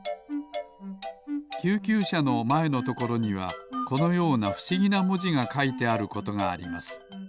救急車のまえのところにはこのようなふしぎなもじがかいてあることがあります。